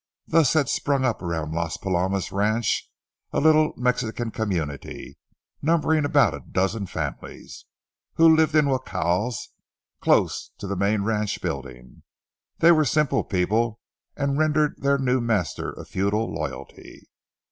Thus had sprung up around Las Palomas ranch a little Mexican community numbering about a dozen families, who lived in jacals close to the main ranch buildings. They were simple people, and rendered their new master a feudal loyalty.